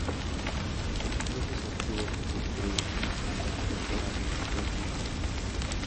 Incluso se tuvo que construir una planta productora de nitrógeno para este fin.